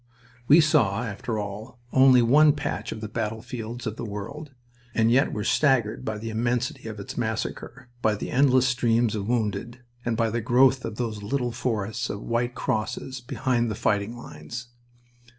We saw, after all, only one patch of the battlefields of the world, and yet were staggered by the immensity of its massacre, by the endless streams of wounded, and by the growth of those little forests of white crosses behind the fighting lines.